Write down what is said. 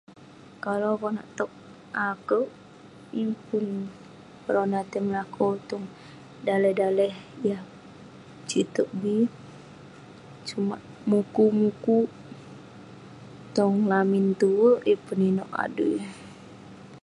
Kalau konak tok akuek yeng pun yah min akuek tai melakau tong daleh-daleh yah situek bii cumak mukuk-mukuk tong lamin tuek yeng pun inuek adui